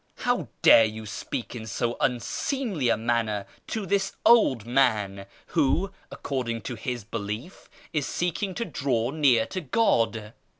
How dare you speak in so unseemly a manner to this old man, who, according to his belief, is seeking to draw near to God